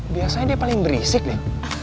biasanya dia paling berisik nih